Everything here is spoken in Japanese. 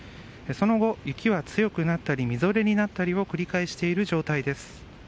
その後、雪は強くなったりみぞれになったりを繰り返している状態です。